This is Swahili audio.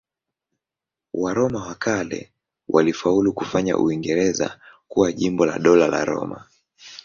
Waroma wa kale walifaulu kufanya Uingereza kuwa jimbo la Dola la Roma.